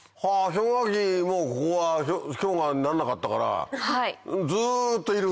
氷河期もここは氷河になんなかったからずっといるんだ。